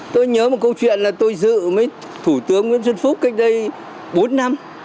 tôi nhớ một câu chuyện là tôi dự với thủ tướng nguyễn xuân phúc cách đây bốn năm